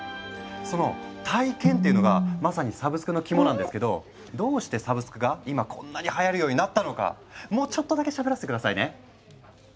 その体験っていうのがまさにサブスクの肝なんですけどどうしてサブスクが今こんなにはやるようになったのかもうちょっとだけしゃべらせて下さいね。